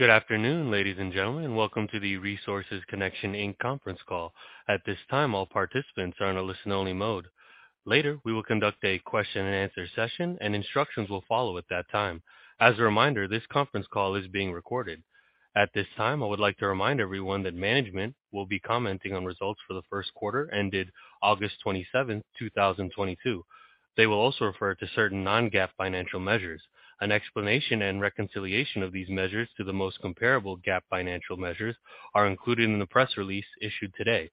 Good afternoon, ladies and gentlemen, and welcome to the Resources Connection, Inc. conference call. At this time, all participants are on a listen-only mode. Later, we will conduct a question-and-answer session and instructions will follow at that time. As a reminder, this conference call is being recorded. At this time, I would like to remind everyone that management will be commenting on results for the first quarter ended August 27th, 2022. They will also refer to certain non-GAAP financial measures. An explanation and reconciliation of these measures to the most comparable GAAP financial measures are included in the press release issued today.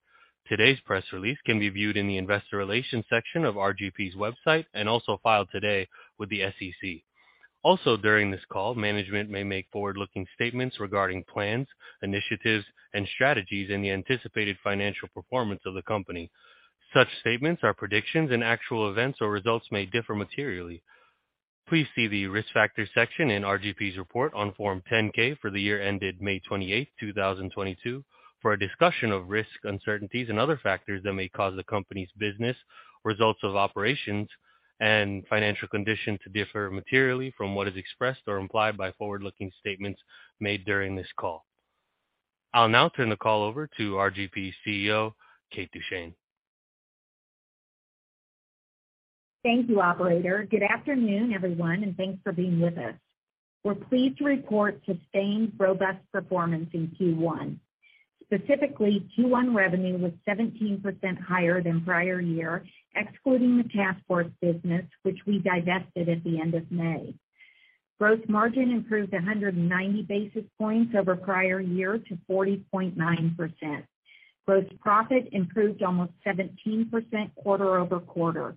Today's press release can be viewed in the investor relations section of RGP's website and also filed today with the SEC. Also during this call, management may make forward-looking statements regarding plans, initiatives, and strategies in the anticipated financial performance of the company. Such statements are predictions and actual events or results may differ materially. Please see the Risk Factors section in RGP's report on Form 10-K for the year ended May 28, 2022 for a discussion of risks, uncertainties, and other factors that may cause the company's business results of operations and financial conditions to differ materially from what is expressed or implied by forward-looking statements made during this call. I'll now turn the call over to RGP's CEO, Kate Duchene. Thank you, operator. Good afternoon, everyone, and thanks for being with us. We're pleased to report sustained robust performance in Q1. Specifically, Q1 revenue was 17% higher than prior year, excluding the Taskforce business which we divested at the end of May. Gross margin improved 190 basis points over prior year to 40.9%. Gross profit improved almost 17% quarter-over-quarter.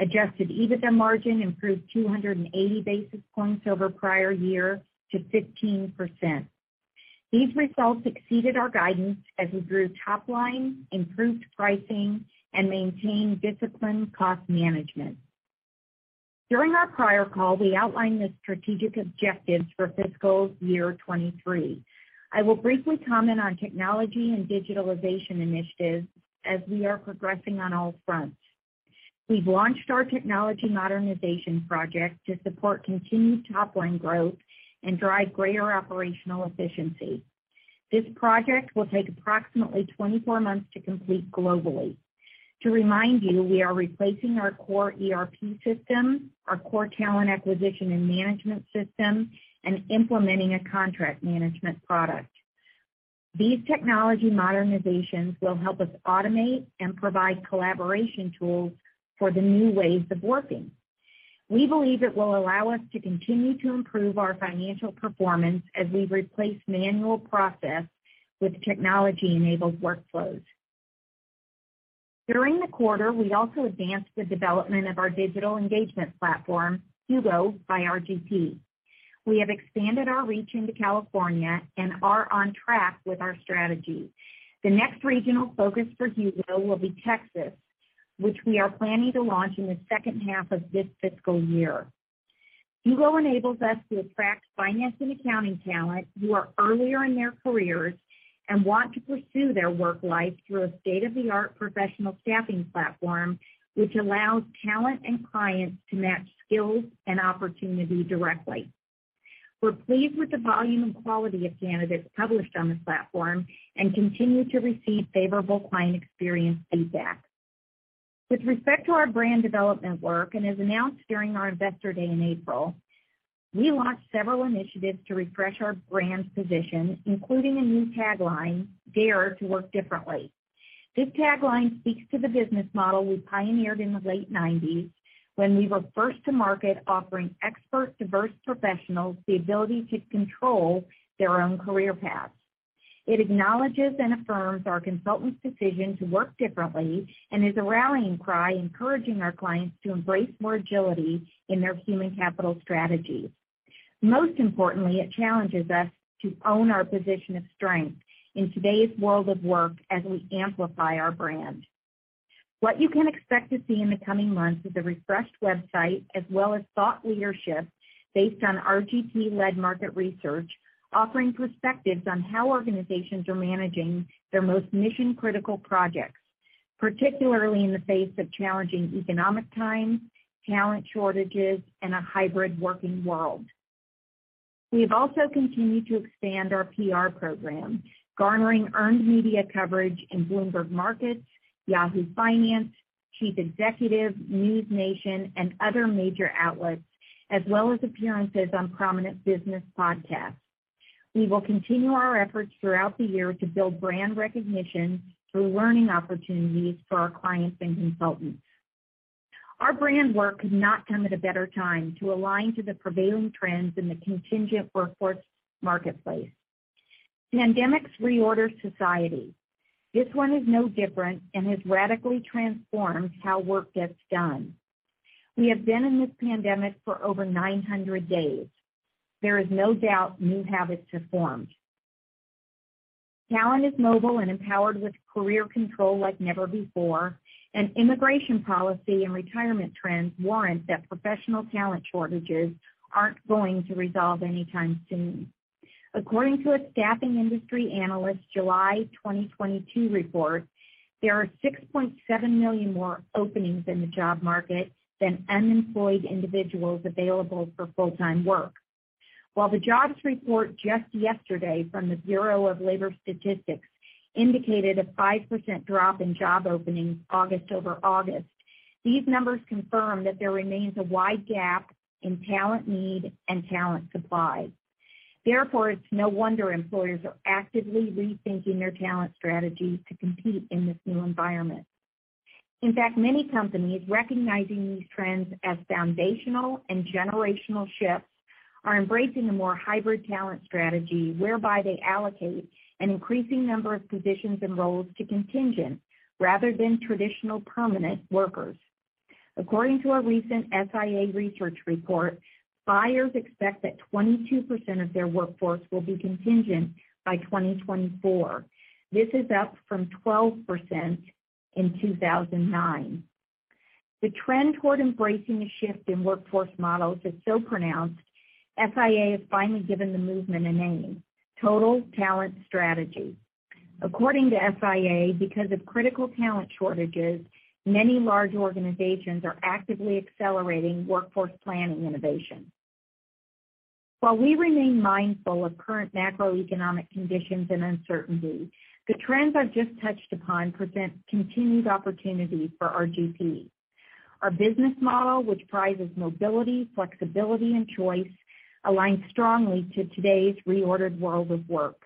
Adjusted EBITDA margin improved 280 basis points over prior year to 15%. These results exceeded our guidance as we grew top line, improved pricing, and maintained disciplined cost management. During our prior call, we outlined the strategic objectives for fiscal year 2023. I will briefly comment on technology and digitalization initiatives as we are progressing on all fronts. We've launched our technology modernization project to support continued top-line growth and drive greater operational efficiency. This project will take approximately 24 months to complete globally. To remind you, we are replacing our core ERP system, our core talent acquisition and management system, and implementing a contract management product. These technology modernizations will help us automate and provide collaboration tools for the new ways of working. We believe it will allow us to continue to improve our financial performance as we replace manual process with technology-enabled workflows. During the quarter, we also advanced the development of our digital engagement platform, HUGO by RGP. We have expanded our reach into California and are on track with our strategy. The next regional focus for HUGO will be Texas, which we are planning to launch in the second half of this fiscal year. HUGO enables us to attract finance and accounting talent who are earlier in their careers and want to pursue their work life through a state-of-the-art professional staffing platform, which allows talent and clients to match skills and opportunity directly. We're pleased with the volume and quality of candidates published on the platform and continue to receive favorable client experience feedback. With respect to our brand development work, and as announced during our Investor Day in April, we launched several initiatives to refresh our brand's position, including a new tagline, "Dare to Work Differently." This tagline speaks to the business model we pioneered in the late nineties when we were first to market offering expert diverse professionals the ability to control their own career paths. It acknowledges and affirms our consultants' decision to work differently and is a rallying cry encouraging our clients to embrace more agility in their human capital strategy. Most importantly, it challenges us to own our position of strength in today's world of work as we amplify our brand. What you can expect to see in the coming months is a refreshed website as well as thought leadership based on RGP-led market research, offering perspectives on how organizations are managing their most mission-critical projects, particularly in the face of challenging economic times, talent shortages, and a hybrid working world. We have also continued to expand our PR program, garnering earned media coverage in Bloomberg Markets, Yahoo Finance, Chief Executive, NewsNation, and other major outlets, as well as appearances on prominent business podcasts. We will continue our efforts throughout the year to build brand recognition through learning opportunities for our clients and consultants. Our brand work could not come at a better time to align to the prevailing trends in the contingent workforce marketplace. Pandemics reorder society. This one is no different and has radically transformed how work gets done. We have been in this pandemic for over 900 days. There is no doubt new habits have formed. Talent is mobile and empowered with career control like never before, and immigration policy and retirement trends warrant that professional talent shortages aren't going to resolve anytime soon. According to a Staffing Industry Analysts July 2022 report, there are 6.7 million more openings in the job market than unemployed individuals available for full-time work. While the jobs report just yesterday from the Bureau of Labor Statistics indicated a 5% drop in job openings August over August, these numbers confirm that there remains a wide gap in talent need and talent supply. Therefore, it's no wonder employers are actively rethinking their talent strategy to compete in this new environment. In fact, many companies recognizing these trends as foundational and generational shifts are embracing a more hybrid talent strategy, whereby they allocate an increasing number of positions and roles to contingent rather than traditional permanent workers. According to a recent SIA research report, buyers expect that 22% of their workforce will be contingent by 2024. This is up from 12% in 2009. The trend toward embracing a shift in workforce models is so pronounced, SIA has finally given the movement a name, Total Talent Strategy. According to SIA, because of critical talent shortages, many large organizations are actively accelerating workforce planning innovation. While we remain mindful of current macroeconomic conditions and uncertainty, the trends I've just touched upon present continued opportunity for RGP. Our business model, which prizes mobility, flexibility, and choice, aligns strongly to today's reordered world of work.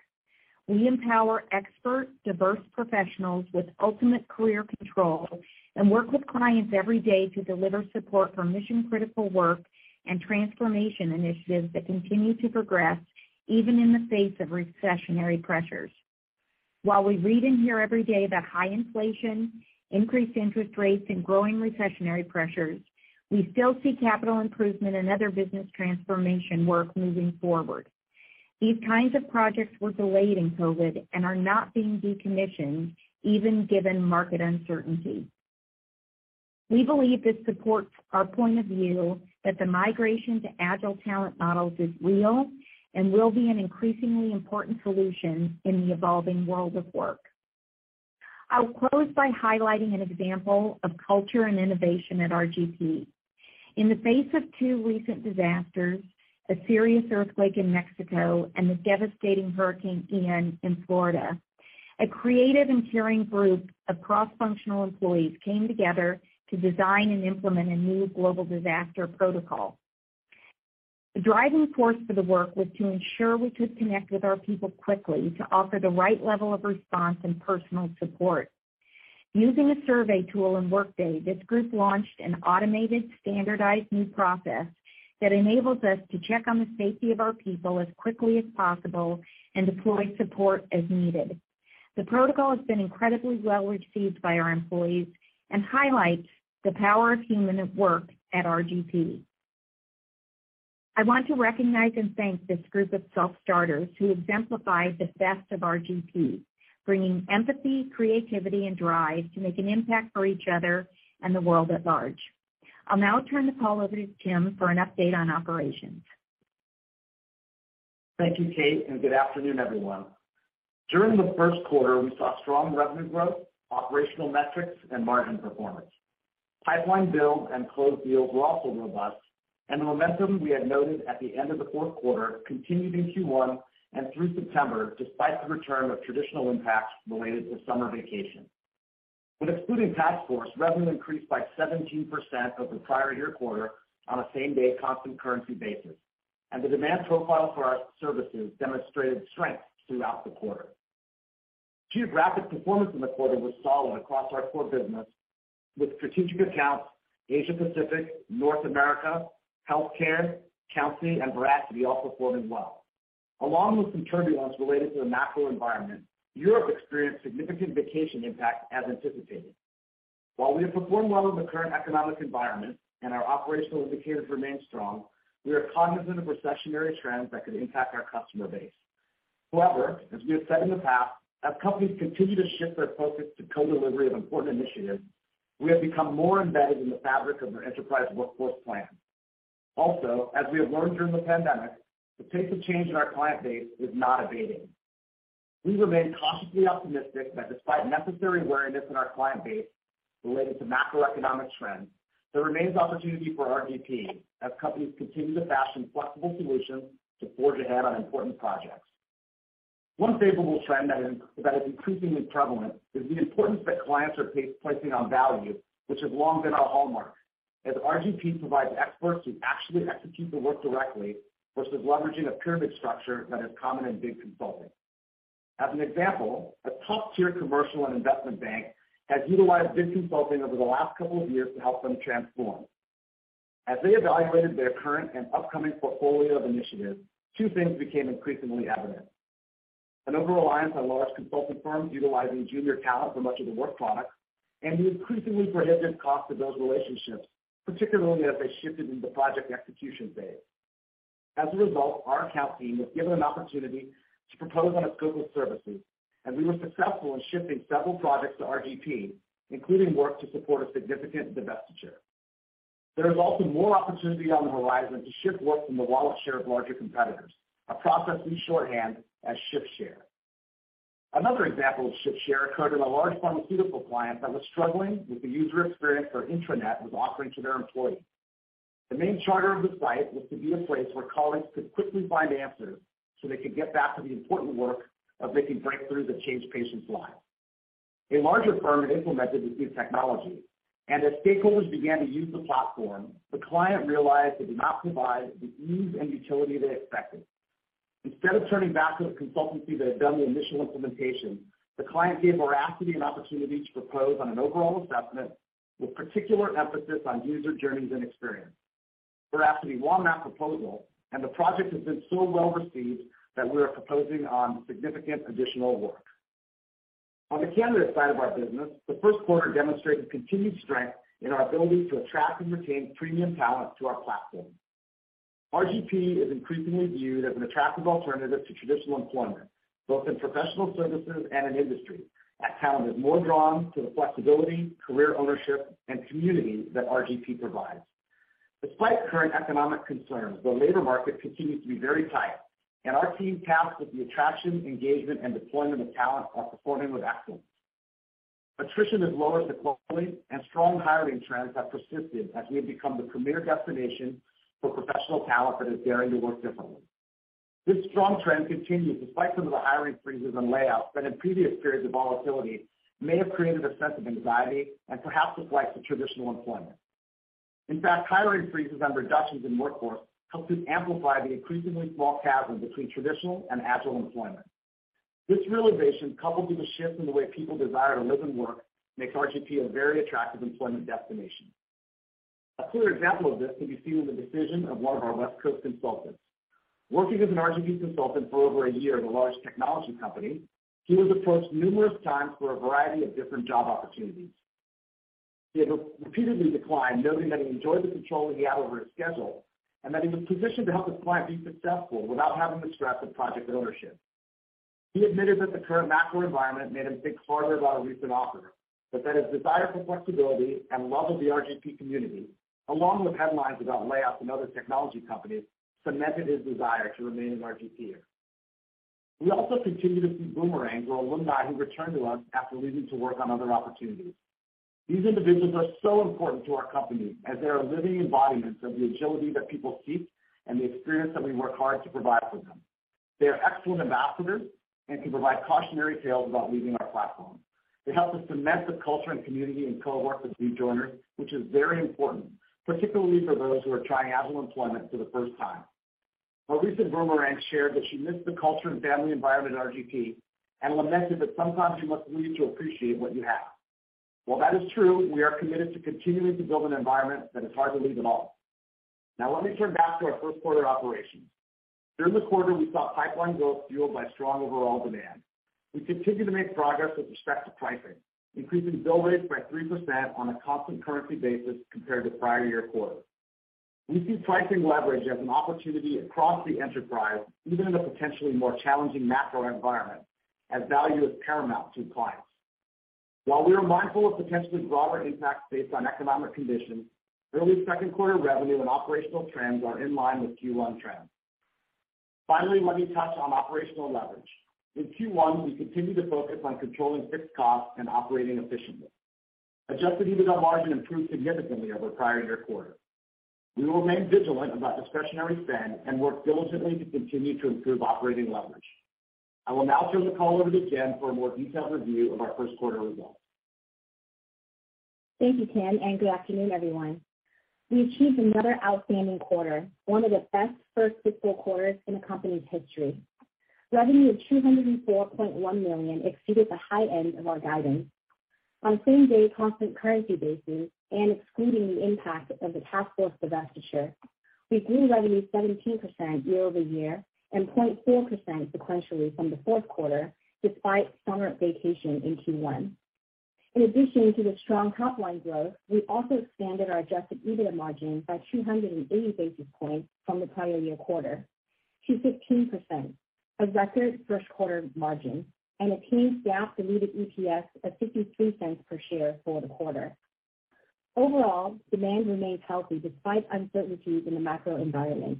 We empower expert, diverse professionals with ultimate career control and work with clients every day to deliver support for mission-critical work and transformation initiatives that continue to progress even in the face of recessionary pressures. While we read and hear every day about high inflation, increased interest rates, and growing recessionary pressures, we still see capital improvement and other business transformation work moving forward. These kinds of projects were delayed in COVID and are not being decommissioned even given market uncertainty. We believe this supports our point of view that the migration to agile talent models is real and will be an increasingly important solution in the evolving world of work. I'll close by highlighting an example of culture and innovation at RGP. In the face of two recent disasters, the serious earthquake in Mexico and the devastating Hurricane Ian in Florida, a creative and caring group of cross-functional employees came together to design and implement a new global disaster protocol. The driving force for the work was to ensure we could connect with our people quickly to offer the right level of response and personal support. Using a survey tool in Workday, this group launched an automated, standardized new process that enables us to check on the safety of our people as quickly as possible and deploy support as needed. The protocol has been incredibly well received by our employees and highlights the power of human at work at RGP. I want to recognize and thank this group of self-starters who exemplify the best of RGP, bringing empathy, creativity, and drive to make an impact for each other and the world at large. I'll now turn the call over to Tim for an update on operations. Thank you, Kate, and good afternoon, everyone. During the first quarter, we saw strong revenue growth, operational metrics, and margin performance. Pipeline build and closed deals were also robust, and the momentum we had noted at the end of the fourth quarter continued in Q1 and through September, despite the return of traditional impacts related to summer vacation. When excluding Taskforce, revenue increased by 17% over the prior year quarter on a same-day constant currency basis, and the demand profile for our services demonstrated strength throughout the quarter. Geographic performance in the quarter was solid across our core business with strategic accounts, Asia Pacific, North America, healthcare, Countsy, and Veracity all performing well. Along with some turbulence related to the macro environment, Europe experienced significant vacation impact as anticipated. While we have performed well in the current economic environment and our operational indicators remain strong, we are cognizant of recessionary trends that could impact our customer base. However, as we have said in the past, as companies continue to shift their focus to co-delivery of important initiatives, we have become more embedded in the fabric of their enterprise workforce plan. Also, as we have learned during the pandemic, the pace of change in our client base is not abating. We remain cautiously optimistic that despite necessary wariness in our client base related to macroeconomic trends, there remains opportunity for RGP as companies continue to fashion flexible solutions to forge ahead on important projects. One favorable trend that is increasingly prevalent is the importance that clients are placing on value, which has long been our hallmark, as RGP provides experts who actually execute the work directly versus leveraging a pyramid structure that is common in big consulting. As an example, a top-tier commercial and investment bank has utilized big consulting over the last couple of years to help them transform. As they evaluated their current and upcoming portfolio of initiatives, two things became increasingly evident. An overreliance on large consultant firms utilizing junior talent for much of the work product, and the increasingly prohibitive cost of those relationships, particularly as they shifted into project execution phase. As a result, our account team was given an opportunity to propose on a scope of services, and we were successful in shifting several projects to RGP, including work to support a significant divestiture. There is also more opportunity on the horizon to shift work from the wallet share of larger competitors, a process we shorthand as shift share. Another example of shift share occurred in a large pharmaceutical client that was struggling with the user experience their intranet was offering to their employees. The main charter of the site was to be a place where colleagues could quickly find answers so they could get back to the important work of making breakthroughs that change patients' lives. A larger firm had implemented this new technology, and as stakeholders began to use the platform, the client realized it did not provide the ease and utility they expected. Instead of turning back to the consultancy that had done the initial implementation, the client gave Veracity an opportunity to propose on an overall assessment with particular emphasis on user journeys and experience. Veracity won that proposal, and the project has been so well received that we are proposing on significant additional work. On the candidate side of our business, the first quarter demonstrated continued strength in our ability to attract and retain premium talent to our platform. RGP is increasingly viewed as an attractive alternative to traditional employment, both in professional services and in industry, as talent is more drawn to the flexibility, career ownership, and community that RGP provides. Despite current economic concerns, the labor market continues to be very tight, and our team tasked with the attraction, engagement, and deployment of talent are performing with excellence. Attrition has lowered sequentially, and strong hiring trends have persisted as we have become the premier destination for professional talent that is daring to work differently. This strong trend continues despite some of the hiring freezes and layoffs that in previous periods of volatility may have created a sense of anxiety and perhaps a flight to traditional employment. In fact, hiring freezes and reductions in workforce help to amplify the increasingly small chasm between traditional and agile employment. This realization, coupled with a shift in the way people desire to live and work, makes RGP a very attractive employment destination. A clear example of this can be seen in the decision of one of our West Coast consultants. Working as an RGP consultant for over a year at a large technology company, he was approached numerous times for a variety of different job opportunities. He had repeatedly declined, noting that he enjoyed the control he had over his schedule and that he was positioned to help his client be successful without having the stress of project ownership. He admitted that the current macro environment made him think harder about a recent offer, but that his desire for flexibility and love of the RGP community, along with headlines about layoffs in other technology companies, cemented his desire to remain an RGP-er. We also continue to see boomerangs or alumni who return to us after leaving to work on other opportunities. These individuals are so important to our company as they are living embodiments of the agility that people seek and the experience that we work hard to provide for them. They are excellent ambassadors and can provide cautionary tales about leaving our platform. They help us cement the culture and community in coworkers and joiners, which is very important, particularly for those who are trying agile employment for the first time. A recent boomerang shared that she missed the culture and family environment at RGP and lamented that sometimes you must leave to appreciate what you have. While that is true, we are committed to continuing to build an environment that is hard to leave at all. Now let me turn back to our first quarter operations. During the quarter, we saw pipeline growth fueled by strong overall demand. We continue to make progress with respect to pricing, increasing bill rates by 3% on a constant currency basis compared to prior-year quarter. We see pricing leverage as an opportunity across the enterprise, even in a potentially more challenging macro environment, as value is paramount to clients. While we are mindful of potentially broader impacts based on economic conditions, early second quarter revenue and operational trends are in line with Q1 trends. Finally, let me touch on operational leverage. In Q1, we continued to focus on controlling fixed costs and operating efficiently. Adjusted EBITDA margin improved significantly over prior year quarter. We will remain vigilant about discretionary spend and work diligently to continue to improve operating leverage. I will now turn the call over to Jen for a more detailed review of our first quarter results. Thank you, Tim, and good afternoon, everyone. We achieved another outstanding quarter, one of the best first fiscal quarters in the company's history. Revenue of $204.1 million exceeded the high end of our guidance. On same-day constant currency basis and excluding the impact of the Taskforce divestiture, we grew revenue 17% year-over-year and 0.4% sequentially from the fourth quarter, despite summer vacation in Q1. In addition to the strong top-line growth, we also expanded our Adjusted EBITDA margin by 280 basis points from the prior year quarter to 15%, a record first quarter margin and a cleaned GAAP diluted EPS of $0.53 per share for the quarter. Overall, demand remains healthy despite uncertainties in the macro environment.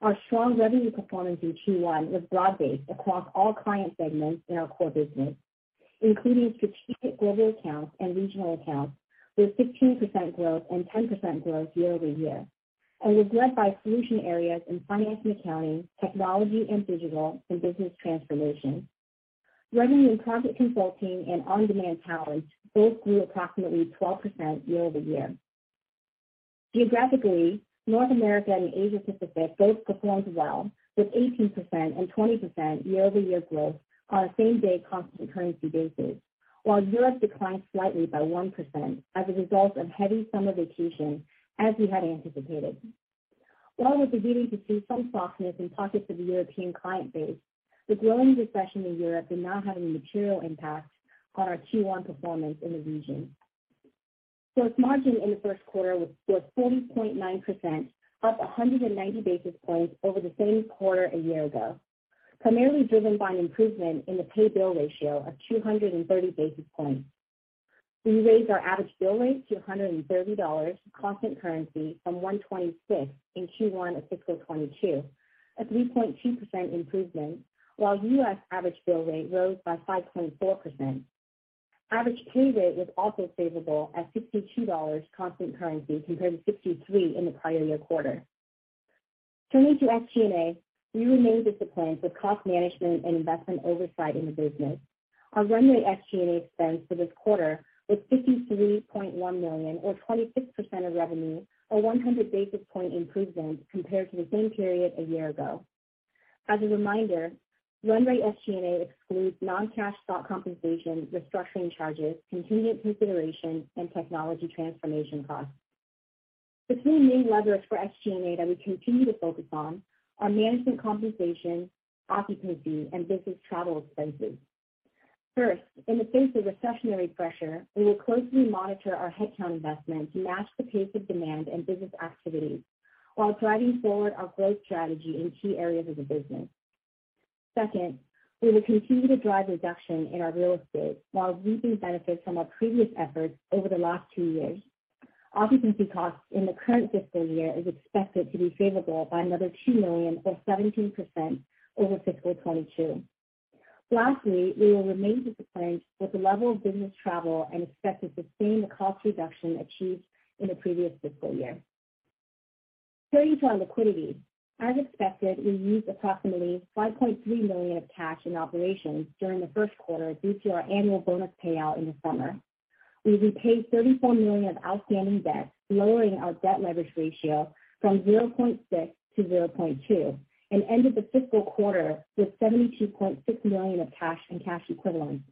Our strong revenue performance in Q1 was broad-based across all client segments in our core business, including strategic global accounts and regional accounts, with 16% growth and 10% growth year-over-year and was led by solution areas in finance and accounting, technology and digital, and business transformation. Revenue in project consulting and On-Demand Talent both grew approximately 12% year-over-year. Geographically, North America and Asia Pacific both performed well with 18% and 20% year-over-year growth on a same-day constant currency basis, while Europe declined slightly by 1% as a result of heavy summer vacation as we had anticipated. While we're beginning to see some softness in pockets of the European client base, the growing recession in Europe did not have any material impact on our Q1 performance in the region. Gross margin in the first quarter was 40.9%, up 190 basis points over the same quarter a year ago, primarily driven by an improvement in the pay-bill ratio of 230 basis points. We raised our average bill rate to $130 constant currency from $126 in Q1 of fiscal 2022, a 3.2% improvement, while US average bill rate rose by 5.4%. Average pay rate was also favorable at $62 constant currency compared to $63 in the prior year quarter. Turning to SG&A, we remain disciplined with cost management and investment oversight in the business. Our run rate SG&A expense for this quarter was $53.1 million or 26% of revenue, a 100 basis point improvement compared to the same period a year ago. As a reminder, run rate SG&A excludes non-cash stock compensation, restructuring charges, contingent consideration, and technology transformation costs. The three main levers for SG&A that we continue to focus on are management compensation, occupancy, and business travel expenses. First, in the face of recessionary pressure, we will closely monitor our headcount investment to match the pace of demand and business activity while driving forward our growth strategy in key areas of the business. Second, we will continue to drive reduction in our real estate while reaping benefits from our previous efforts over the last two years. Occupancy costs in the current fiscal year is expected to be favorable by another $2 million or 17% over fiscal 2022. Lastly, we will remain disciplined with the level of business travel and expect to sustain the cost reduction achieved in the previous fiscal year. Turning to our liquidity. As expected, we used approximately $5.3 million of cash in operations during the first quarter due to our annual bonus payout in the summer. We repaid $34 million of outstanding debt, lowering our debt leverage ratio from 0.6-0.2, and ended the fiscal quarter with $72.6 million of cash and cash equivalents.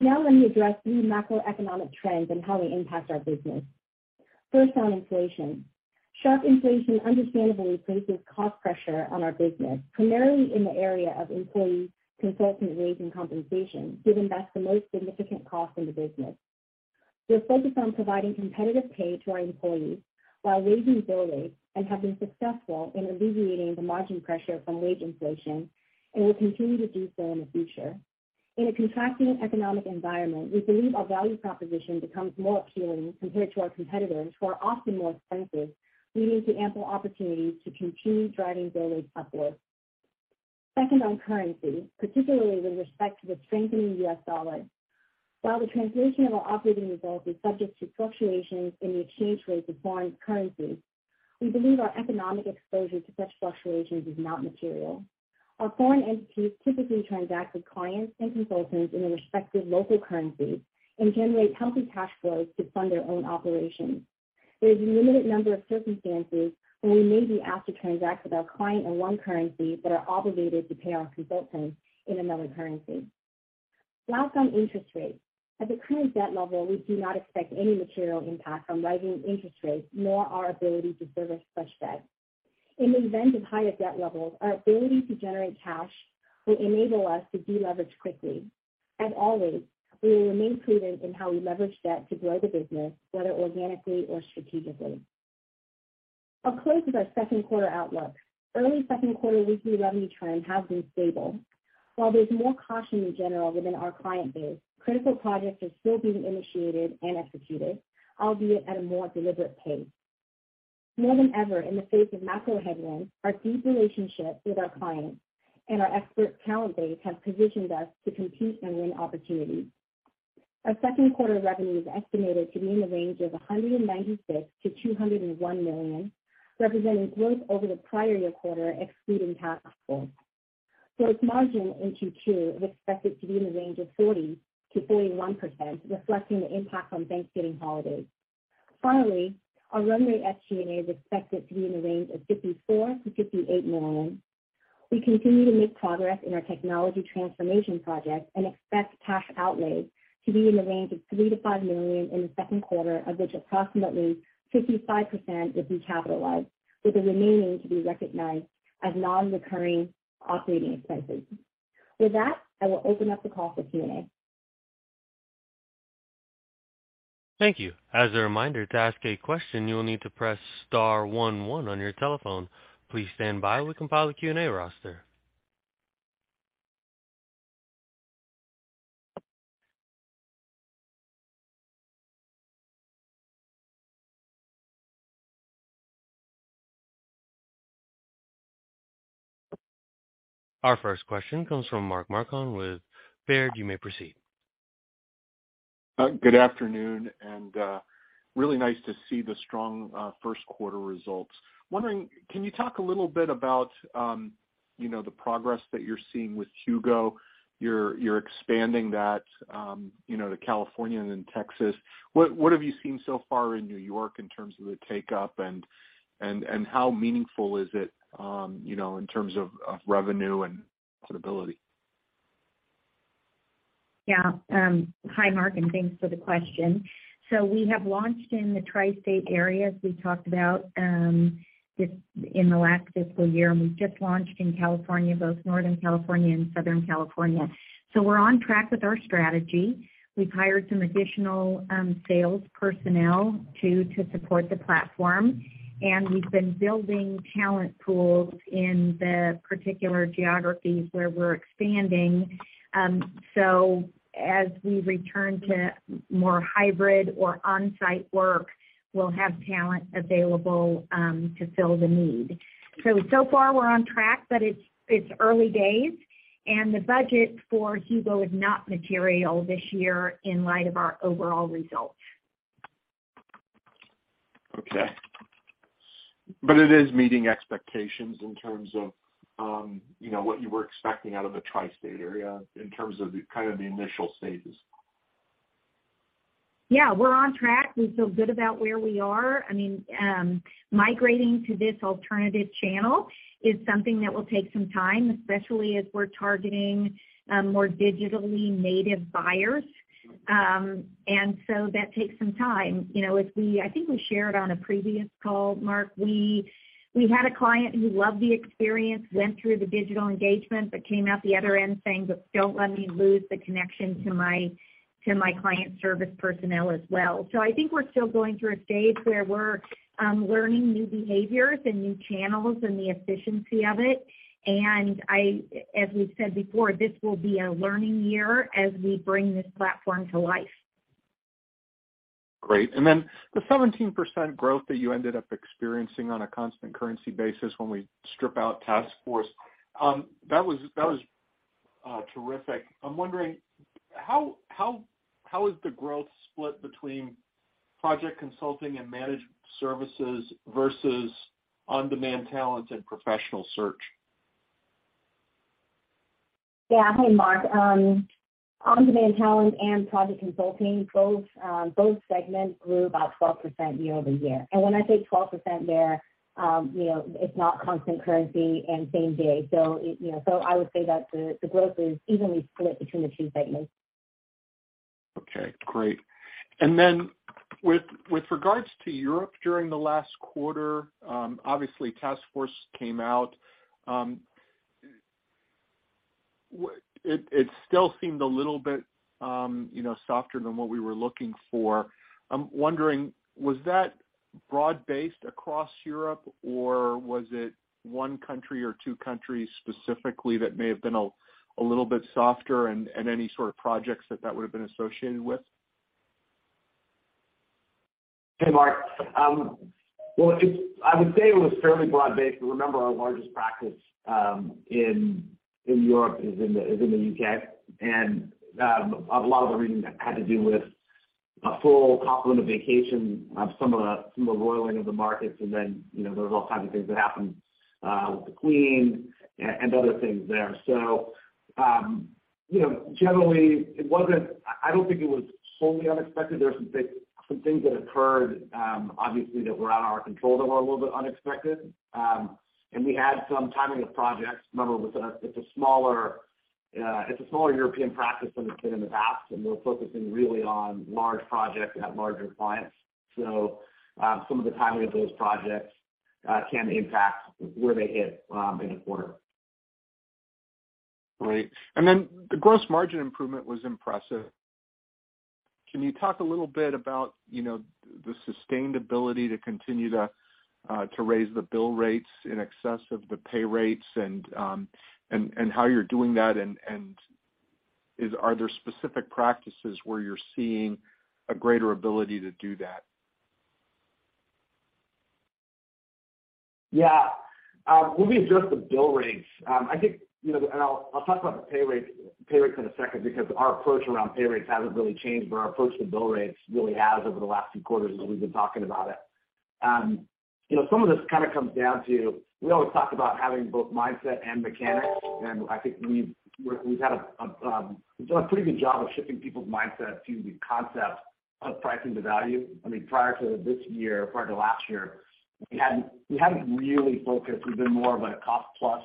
Now let me address three macroeconomic trends and how they impact our business. First, on inflation. Sharp inflation understandably places cost pressure on our business, primarily in the area of employee consultant wage and compensation, given that's the most significant cost in the business. We're focused on providing competitive pay to our employees while raising bill rates and have been successful in alleviating the margin pressure from wage inflation and will continue to do so in the future. In a contracting economic environment, we believe our value proposition becomes more appealing compared to our competitors, who are often more expensive, leading to ample opportunities to continue driving bill rates upwards. Second, on currency, particularly with respect to the strengthening U.S. dollar. While the translation of our operating results is subject to fluctuations in the exchange rates of foreign currencies, we believe our economic exposure to such fluctuations is not material. Our foreign entities typically transact with clients and consultants in their respective local currencies and generate healthy cash flows to fund their own operations. There is a limited number of circumstances where we may be asked to transact with our client in one currency but are obligated to pay our consultants in another currency. Last, on interest rates. At the current debt level, we do not expect any material impact from rising interest rates, nor our ability to service such debt. In the event of higher debt levels, our ability to generate cash will enable us to deleverage quickly. As always, we will remain prudent in how we leverage debt to grow the business, whether organically or strategically. I'll close with our second quarter outlook. Early second quarter weekly revenue trends have been stable. While there's more caution in general within our client base, critical projects are still being initiated and executed, albeit at a more deliberate pace. More than ever, in the face of macro headwinds, our deep relationships with our clients and our expert talent base have positioned us to compete and win opportunities. Our second quarter revenue is estimated to be in the range of $196 million-$201 million, representing growth over the prior year quarter, excluding head count. Its margin in Q2 is expected to be in the range of 40%-41%, reflecting the impact from Thanksgiving holidays. Finally, our run rate SG&A is expected to be in the range of $54 million-$58 million. We continue to make progress in our technology transformation project and expect cash outlays to be in the range of $3 million-$5 million in the second quarter, of which approximately 55% will be capitalized, with the remaining to be recognized as non-recurring operating expenses. With that, I will open up the call for Q&A. Thank you. As a reminder, to ask a question, you will need to press star one one on your telephone. Please stand by while we compile the Q&A roster. Our first question comes from Mark Marcon with Baird. You may proceed. Good afternoon. Really nice to see the strong first quarter results. Wondering, can you talk a little bit about, you know, the progress that you're seeing with HUGO? You're expanding that, you know, to California and Texas. What have you seen so far in New York in terms of the take-up? How meaningful is it, you know, in terms of revenue and profitability? Yeah. Hi, Mark, and thanks for the question. We have launched in the tri-state area, as we talked about. Just in the last fiscal year, and we've just launched in California, both Northern California and Southern California. We're on track with our strategy. We've hired some additional sales personnel to support the platform, and we've been building talent pools in the particular geographies where we're expanding. As we return to more hybrid or on-site work, we'll have talent available to fill the need. So far we're on track, but it's early days, and the budget for HUGO is not material this year in light of our overall results. Okay. It is meeting expectations in terms of, you know, what you were expecting out of the tri-state area in terms of the kind of the initial stages? Yeah, we're on track. We feel good about where we are. I mean, migrating to this alternative channel is something that will take some time, especially as we're targeting more digitally native buyers. That takes some time. You know, as we, I think we shared on a previous call, Mark, we had a client who loved the experience, went through the digital engagement, but came out the other end saying, "But don't let me lose the connection to my client service personnel as well." I think we're still going through a stage where we're learning new behaviors and new channels and the efficiency of it. I, as we've said before, this will be a learning year as we bring this platform to life. Great. Then the 17% growth that you ended up experiencing on a constant currency basis when we strip out Taskforce, that was terrific. I'm wondering how is the growth split between project consulting and managed services versus On-Demand Talent and professional search? Yeah. Hey, Mark. On-Demand Talent and project consulting, both segments grew about 12% year-over-year. When I say 12% there, you know, it's not constant currency and same day. You know, I would say that the growth is evenly split between the two segments. Okay, great. Then with regards to Europe during the last quarter, obviously, Taskforce came out. It still seemed a little bit, you know, softer than what we were looking for. I'm wondering, was that broad-based across Europe, or was it one country or two countries specifically that may have been a little bit softer and any sort of projects that would've been associated with? Hey, Mark. I would say it was fairly broad-based, but remember our largest practice in Europe is in the U.K. A lot of the reasons had to do with a full complement of vacations, some of the roiling of the markets. Then, you know, there was all kinds of things that happened with the Queen and other things there. You know, I don't think it was wholly unexpected. There were some things that occurred, obviously, that were out of our control that were a little bit unexpected. We had some timing of projects. Remember, with us it's a smaller European practice than it's been in the past, and we're focusing really on large projects at larger clients. Some of the timing of those projects can impact where they hit in a quarter. Great. The gross margin improvement was impressive. Can you talk a little bit about, you know, the sustainability to continue to raise the bill rates in excess of the pay rates and how you're doing that and are there specific practices where you're seeing a greater ability to do that? Yeah. When we adjust the bill rates, I think, you know, and I'll talk about the pay rates in a second because our approach around pay rates hasn't really changed, but our approach to bill rates really has over the last few quarters as we've been talking about it. You know, some of this kind of comes down to, we always talk about having both mindset and mechanics, and I think we've done a pretty good job of shifting people's mindset to the concept of pricing to value. I mean, prior to this year, prior to last year, we hadn't really focused. We've been more of a cost plus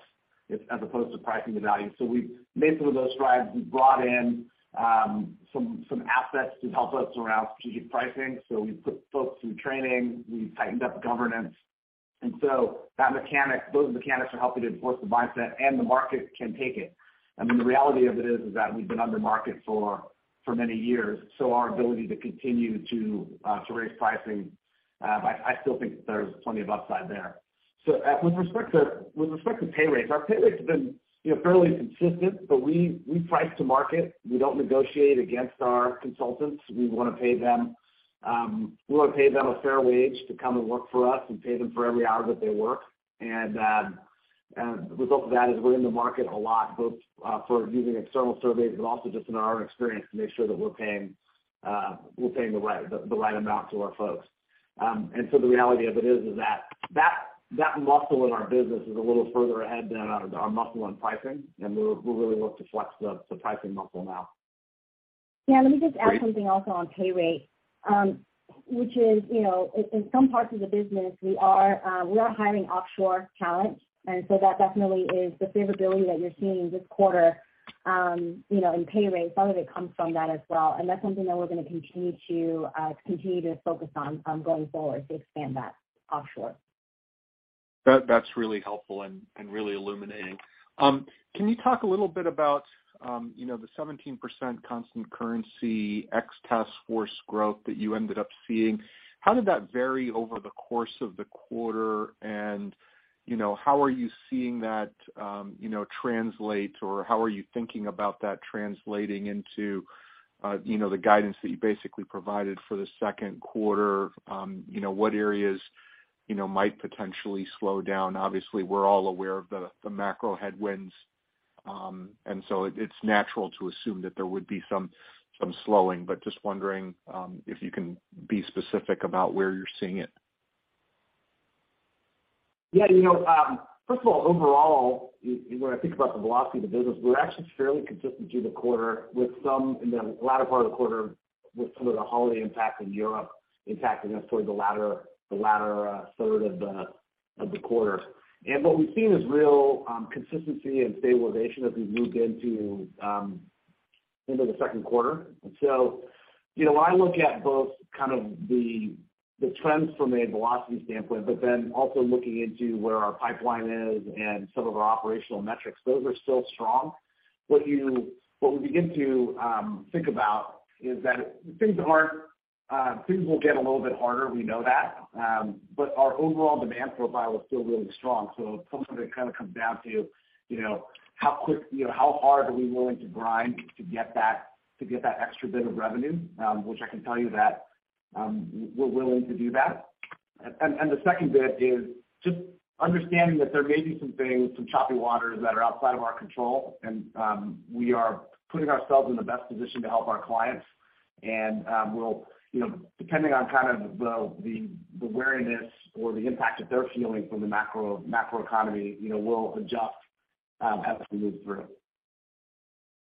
as opposed to pricing to value. We've made some of those strides. We've brought in some assets to help us around strategic pricing. We've put folks through training. We've tightened up governance. That mechanic, those mechanics are helping to enforce the mindset and the market can take it. I mean, the reality of it is that we've been under market for many years, so our ability to continue to raise pricing. I still think that there's plenty of upside there. With respect to pay rates, our pay rates have been, you know, fairly consistent, but we price to market. We don't negotiate against our consultants. We wanna pay them a fair wage to come and work for us and pay them for every hour that they work. The result of that is we're in the market a lot, both for using external surveys, but also just in our experience to make sure that we're paying the right amount to our folks. The reality of it is that muscle in our business is a little further ahead than our muscle on pricing, and we're really looking to flex the pricing muscle now. Yeah. Let me just add something also on pay rate, which is, you know, in some parts of the business we are hiring offshore talent, and so that definitely is the favorability that you're seeing in this quarter. You know, pay rates, some of it comes from that as well. That's something that we're gonna continue to focus on going forward to expand that offshore. That's really helpful and really illuminating. Can you talk a little bit about, you know, the 17% constant currency ex-Taskforce growth that you ended up seeing? How did that vary over the course of the quarter? And, you know, how are you seeing that, you know, translate, or how are you thinking about that translating into, you know, the guidance that you basically provided for the second quarter? You know, what areas, you know, might potentially slow down? Obviously, we're all aware of the macro headwinds. And so it's natural to assume that there would be some slowing. But just wondering, if you can be specific about where you're seeing it. Yeah, you know, first of all, overall, when I think about the velocity of the business, we're actually fairly consistent through the quarter with some in the latter part of the quarter with some of the holiday impact in Europe impacting us towards the latter third of the quarter. What we've seen is real consistency and stabilization as we've moved into the second quarter. You know, I look at both kind of the trends from a velocity standpoint, but then also looking into where our pipeline is and some of our operational metrics. Those are still strong. What we begin to think about is that things will get a little bit harder, we know that. Our overall demand profile is still really strong. Some of it kind of comes down to, you know, how quick, you know, how hard are we willing to grind to get that extra bit of revenue, which I can tell you that we're willing to do that. The second bit is just understanding that there may be some things, some choppy waters that are outside of our control. We are putting ourselves in the best position to help our clients. We'll, you know, depending on kind of the wariness or the impact that they're feeling from the macro economy, you know, we'll adjust as we move through.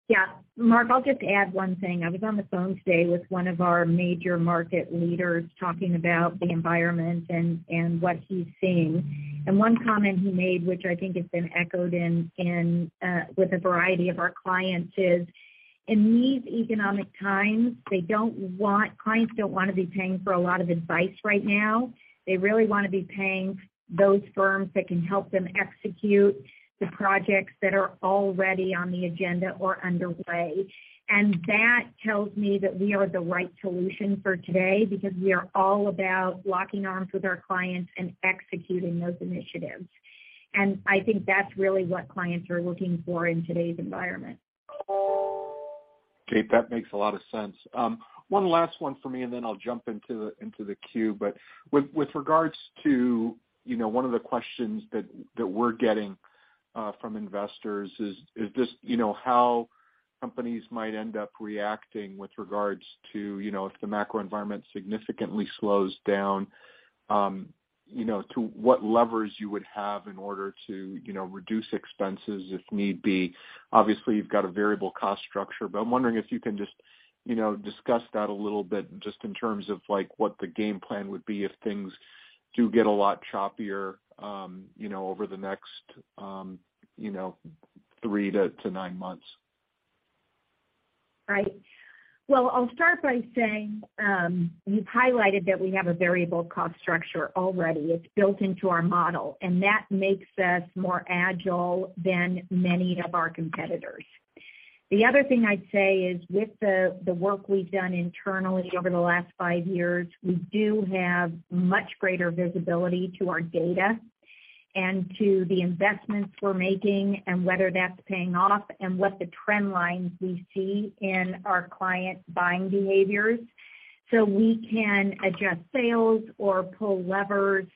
Yeah. Mark, I'll just add one thing. I was on the phone today with one of our major market leaders talking about the environment and what he's seeing. One comment he made, which I think has been echoed with a variety of our clients, is in these economic times, clients don't wanna be paying for a lot of advice right now. They really wanna be paying those firms that can help them execute the projects that are already on the agenda or underway. That tells me that we are the right solution for today because we are all about locking arms with our clients and executing those initiatives. I think that's really what clients are looking for in today's environment. Kate, that makes a lot of sense. One last one for me, and then I'll jump into the queue. With regards to, you know, one of the questions that we're getting from investors is this, you know, how companies might end up reacting with regards to, you know, if the macro environment significantly slows down, you know, to what levers you would have in order to, you know, reduce expenses if need be. Obviously, you've got a variable cost structure, but I'm wondering if you can just, you know, discuss that a little bit just in terms of like what the game plan would be if things do get a lot choppier, you know, over the next, you know, three to nine months. Right. Well, I'll start by saying, you've highlighted that we have a variable cost structure already. It's built into our model, and that makes us more agile than many of our competitors. The other thing I'd say is with the work we've done internally over the last five years, we do have much greater visibility to our data and to the investments we're making and whether that's paying off and what the trend lines we see in our client buying behaviors. So we can adjust sales or pull levers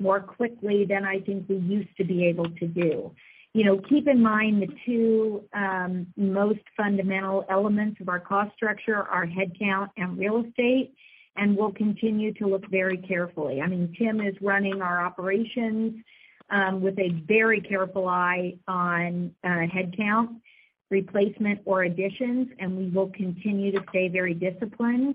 more quickly than I think we used to be able to do. You know, keep in mind the two most fundamental elements of our cost structure are headcount and real estate, and we'll continue to look very carefully. I mean, Tim is running our operations, with a very careful eye on headcount replacement or additions, and we will continue to stay very disciplined.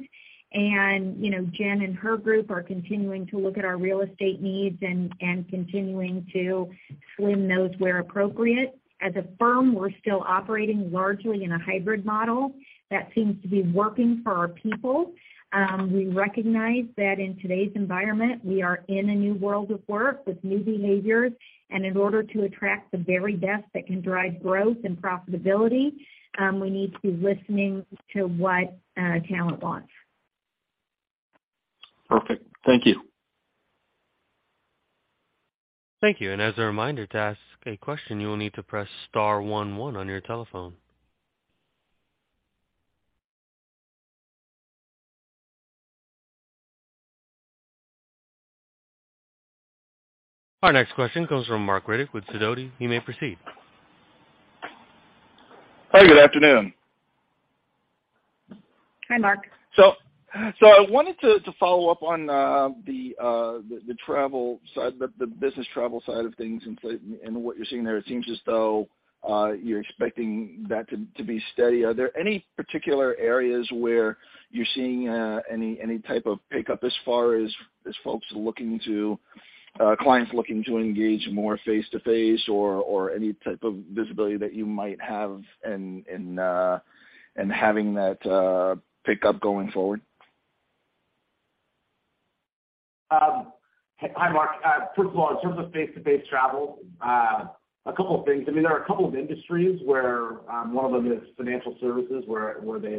You know, Jen and her group are continuing to look at our real estate needs and continuing to slim those where appropriate. As a firm, we're still operating largely in a hybrid model. That seems to be working for our people. We recognize that in today's environment, we are in a new world of work with new behaviors. In order to attract the very best that can drive growth and profitability, we need to be listening to what our talent wants. Perfect. Thank you. Thank you. As a reminder, to ask a question, you will need to press star one one on your telephone. Our next question comes from Marc Riddick with Sidoti & Company. You may proceed. Hi, good afternoon. Hi, Mark. I wanted to follow up on the travel side, the business travel side of things and what you're seeing there. It seems as though you're expecting that to be steady. Are there any particular areas where you're seeing any type of pickup as far as clients looking to engage more face-to-face or any type of visibility that you might have in having that pick up going forward? Hi, Mark. First of all, in terms of face-to-face travel, a couple of things. I mean, there are a couple of industries where one of them is financial services, where they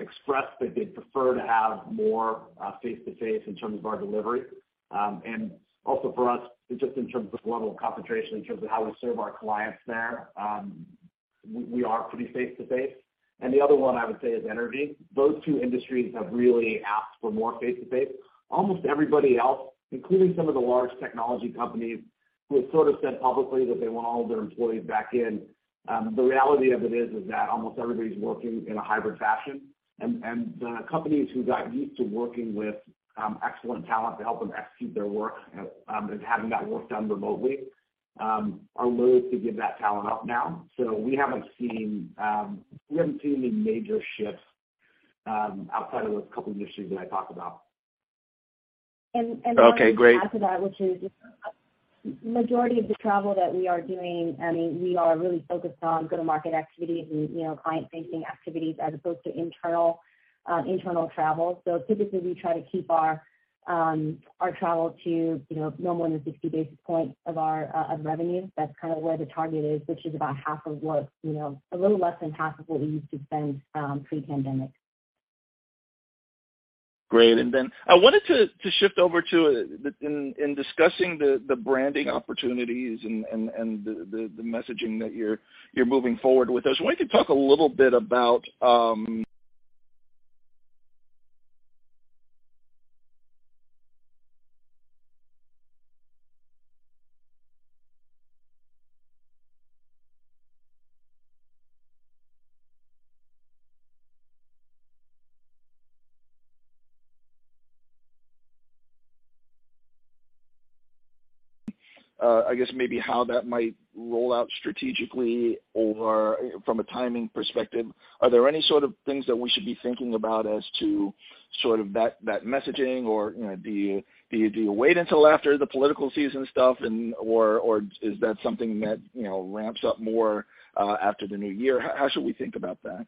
expressed that they'd prefer to have more face-to-face in terms of our delivery. Also for us, just in terms of level of concentration in terms of how we serve our clients there, we are pretty face-to-face. The other one I would say is energy. Those two industries have really asked for more face-to-face. Almost everybody else, including some of the large technology companies who have sort of said publicly that they want all of their employees back in, the reality of it is that almost everybody's working in a hybrid fashion. The companies who got used to working with excellent talent to help them execute their work, and having that work done remotely, are loath to give that talent up now. We haven't seen any major shifts outside of those couple industries that I talked about. Okay, great. Mark, to add to that, which is majority of the travel that we are doing. I mean, we are really focused on go-to-market activities and, you know, client-facing activities as opposed to internal travel. Typically, we try to keep our travel to, you know, no more than 50 basis points of our revenue. That's kind of where the target is, which is about half of what, you know, a little less than half of what we used to spend pre-pandemic. Great. Then I wanted to shift over to in discussing the branding opportunities and the messaging that you're moving forward with. I was wondering if you'd talk a little bit about I guess maybe how that might roll out strategically or from a timing perspective. Are there any sort of things that we should be thinking about as to sort of that messaging? Or you know do you wait until after the political season stuff and or is that something that you know ramps up more after the new year? How should we think about that?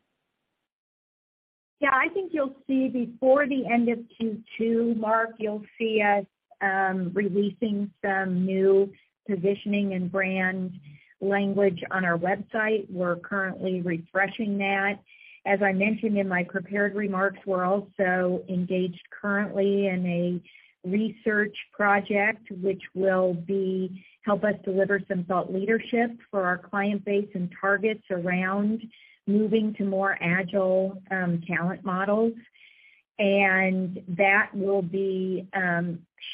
Yeah, I think you'll see before the end of Q2, Mark, you'll see us releasing some new positioning and brand language on our website. We're currently refreshing that. As I mentioned in my prepared remarks, we're also engaged currently in a research project, which will help us deliver some thought leadership for our client base and targets around moving to more agile talent models. That will be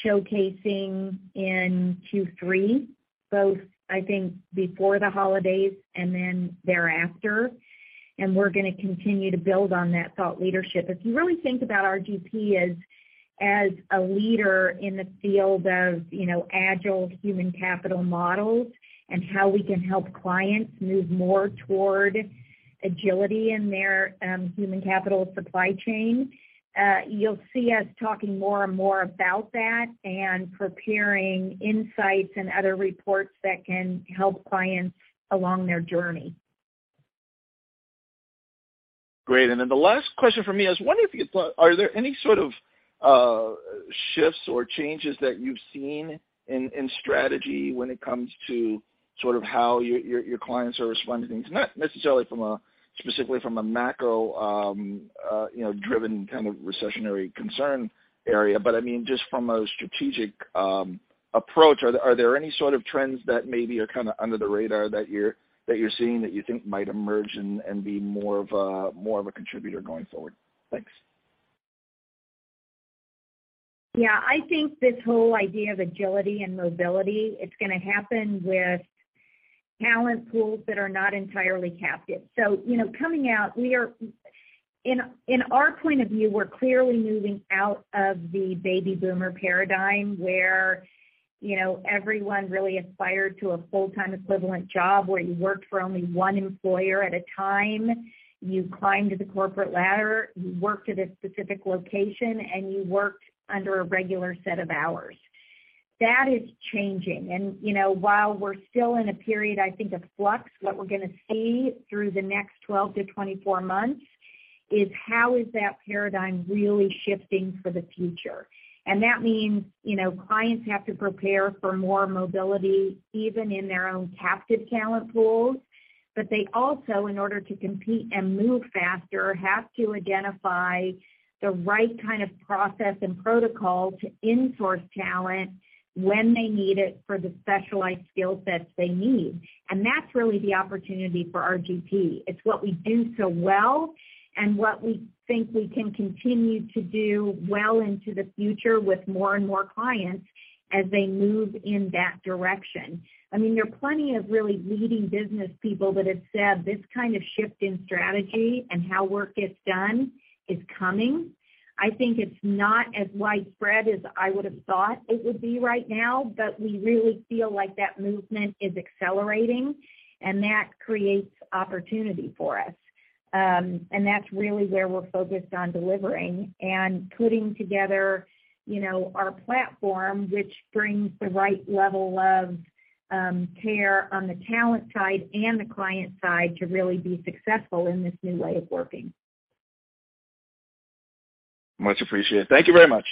showcasing in Q3, both I think before the holidays and then thereafter. We're gonna continue to build on that thought leadership. If you really think about RGP as a leader in the field of, you know, agile human capital models and how we can help clients move more toward agility in their human capital supply chain, you'll see us talking more and more about that and preparing insights and other reports that can help clients along their journey. Great. The last question from me is: I was wondering if you are there any sort of shifts or changes that you've seen in strategy when it comes to sort of how your clients are responding to not necessarily from a, specifically from a macro, you know, driven kind of recessionary concern area, but I mean just from a strategic approach, are there any sort of trends that maybe are kind of under the radar that you're seeing that you think might emerge and be more of a contributor going forward? Thanks. Yeah. I think this whole idea of agility and mobility, it's gonna happen with talent pools that are not entirely captive. You know, coming out, in our point of view, we're clearly moving out of the baby boomer paradigm, where, you know, everyone really aspired to a full-time equivalent job, where you worked for only one employer at a time, you climbed the corporate ladder, you worked at a specific location, and you worked under a regular set of hours. That is changing. You know, while we're still in a period, I think, of flux, what we're gonna see through the next 12-24 months is how is that paradigm really shifting for the future. That means, you know, clients have to prepare for more mobility, even in their own captive talent pools. They also, in order to compete and move faster, have to identify the right kind of process and protocol to in-source talent when they need it for the specialized skill sets they need. That's really the opportunity for RGP. It's what we do so well and what we think we can continue to do well into the future with more and more clients as they move in that direction. I mean, there are plenty of really leading business people that have said this kind of shift in strategy and how work gets done is coming. I think it's not as widespread as I would have thought it would be right now, but we really feel like that movement is accelerating and that creates opportunity for us. That's really where we're focused on delivering and putting together, you know, our platform, which brings the right level of care on the talent side and the client side to really be successful in this new way of working. Much appreciated. Thank you very much.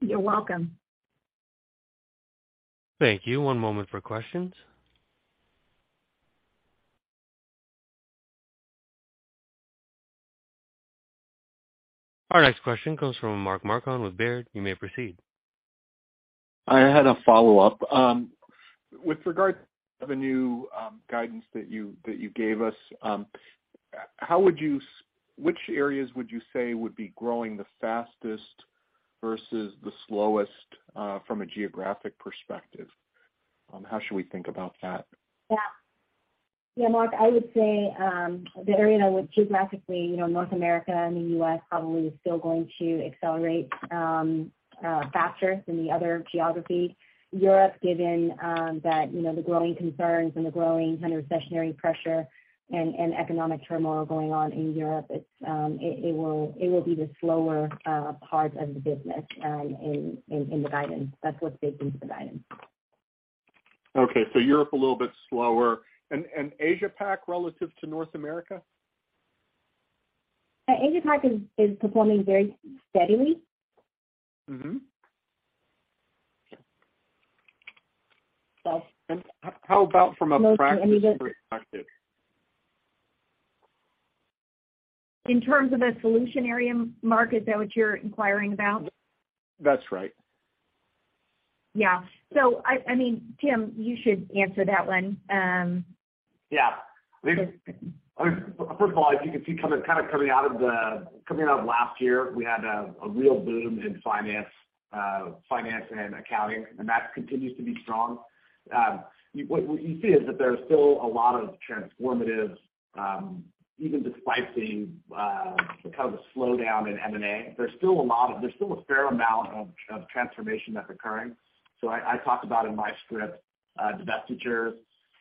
You're welcome. Thank you. One moment for questions. Our next question comes from Mark Marcon with Baird. You may proceed. I had a follow-up. With regard to the new guidance that you gave us, how would you say which areas would be growing the fastest versus the slowest, from a geographic perspective? How should we think about that? Yeah. Yeah, Mark, I would say, the area geographically, you know, North America and the U.S. probably is still going to accelerate, faster than the other geographies. Europe, given that, you know, the growing concerns and the growing kind of recessionary pressure and economic turmoil going on in Europe, it will be the slower part of the business, in the guidance. That's what's baked into the guidance. Okay. Europe a little bit slower. Asia Pac relative to North America? Asia Pac is performing very steadily. Mm-hmm. So- How about from a practice perspective? In terms of a solution area, Mark, is that what you're inquiring about? That's right. Yeah. I mean, Tim, you should answer that one. Yeah. I mean, first of all, as you can see coming out of last year, we had a real boom in finance and accounting, and that continues to be strong. What you see is that there's still a lot of transformative even despite the slowdown in M&A, there's still a fair amount of transformation that's occurring. I talked about in my script divestitures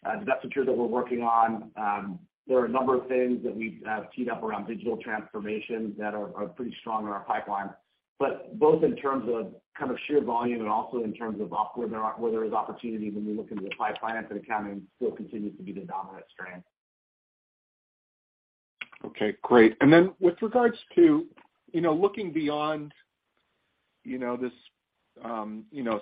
that we're working on. There are a number of things that we have teed up around digital transformation that are pretty strong in our pipeline. both in terms of kind of sheer volume and also in terms of where there is opportunity when we look into the finance and accounting, still continues to be the dominant strand. Okay, great. With regards to, you know, looking beyond, you know, this, you know,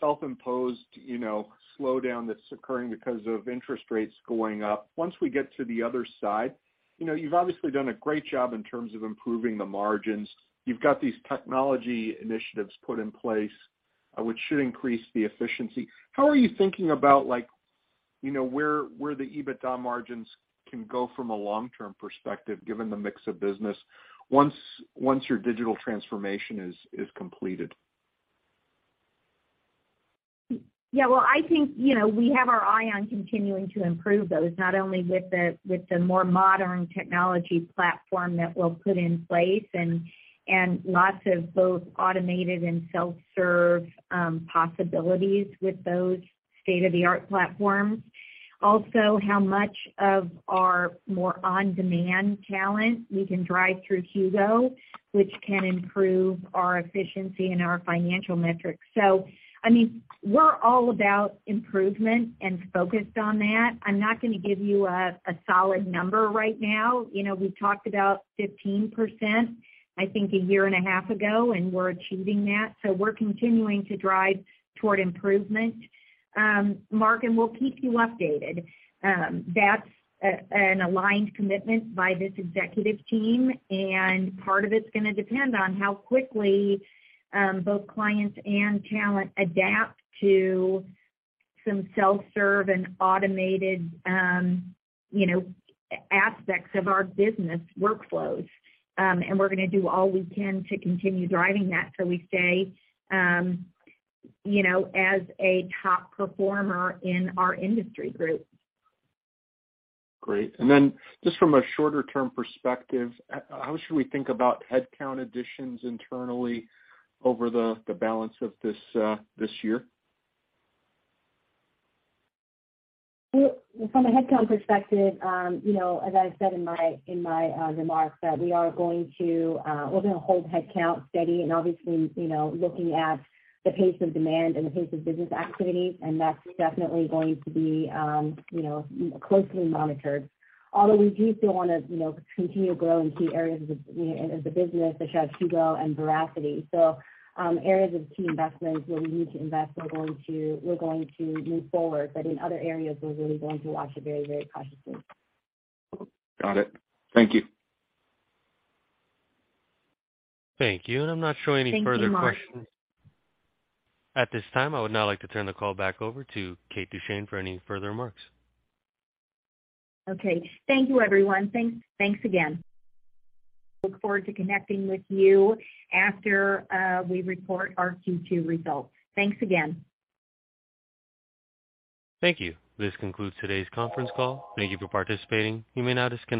self-imposed, you know, slowdown that's occurring because of interest rates going up, once we get to the other side, you know, you've obviously done a great job in terms of improving the margins. You've got these technology initiatives put in place, which should increase the efficiency. How are you thinking about, like, you know, where the EBITDA margins can go from a long-term perspective, given the mix of business once your digital transformation is completed? Yeah, well, I think, you know, we have our eye on continuing to improve those, not only with the more modern technology platform that we'll put in place and lots of both automated and self-serve possibilities with those state-of-the-art platforms. Also, how much of our more On-Demand Talent we can drive through HUGO, which can improve our efficiency and our financial metrics. I mean, we're all about improvement and focused on that. I'm not gonna give you a solid number right now. You know, we talked about 15% I think a year and a half ago, and we're achieving that. We're continuing to drive toward improvement. Mark, and we'll keep you updated. That's an aligned commitment by this executive team, and part of it's gonna depend on how quickly both clients and talent adapt to some self-serve and automated, you know, aspects of our business workflows. We're gonna do all we can to continue driving that so we stay, you know, as a top performer in our industry group. Great. Just from a shorter-term perspective, how should we think about headcount additions internally over the balance of this year? From a headcount perspective, you know, as I said in my remarks, that we're gonna hold headcount steady and obviously, you know, looking at the pace of demand and the pace of business activity, and that's definitely going to be, you know, closely monitored. Although we do still wanna, you know, continue growing key areas of the business such as HUGO and Veracity. Areas of key investments where we need to invest, we're going to move forward. In other areas, we're really going to watch it very, very cautiously. Got it. Thank you. Thank you. I'm not showing any further questions. Thank you, Mark. At this time, I would now like to turn the call back over to Kate Duchene for any further remarks. Okay. Thank you, everyone. Thanks, thanks again. Look forward to connecting with you after we report our Q2 results. Thanks again. Thank you. This concludes today's conference call. Thank you for participating. You may now disconnect.